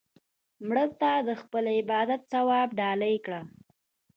مړه ته د خپل عبادت ثواب ډالۍ کړه